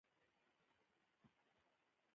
کله به مې یو ځای او کله بل ځای کې خښول.